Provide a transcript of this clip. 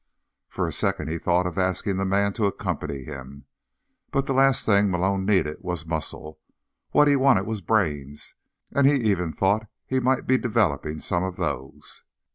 For a second he thought of asking the man to accompany him, but the last thing Malone needed was muscle. What he wanted was brains, and he even thought he might be developing some of those.